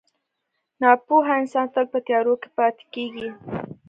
• ناپوهه انسان تل په تیارو کې پاتې کېږي.